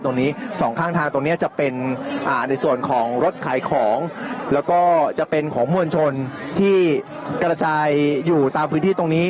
ตรงนี้สองข้างทางตรงนี้จะเป็นในส่วนของรถขายของแล้วก็จะเป็นของมวลชนที่กระจายอยู่ตามพื้นที่ตรงนี้